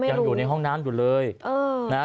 อยีกโอกาสในห้องน้ำ